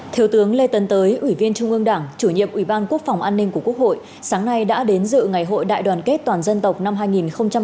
thiếu tướng lê tấn tới ủy viên trung ương đảng chủ nhiệm ủy ban quốc phòng an ninh của quốc hội sáng nay đã đến dự ngày hội đại đoàn kết toàn dân tộc năm hai nghìn một mươi chín